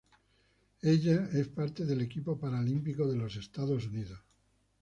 Ella es parte del Equipo paralímpico de los Estados Unidos.